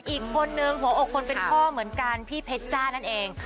อีกคนนึงหัวอกคนเป็นพ่อเหมือนกันพี่เพชรจ้านั่นเอง